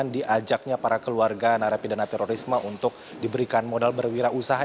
diajaknya para keluarga narapidana terorisme untuk diberikan modal berwirausaha